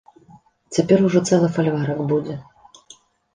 Цяпер ужо цэлы фальварак будзе.